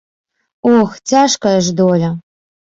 Ох, цяжкая ж доля!